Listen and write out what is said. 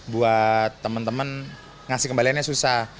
buat temen temen ngasih kembaliannya susah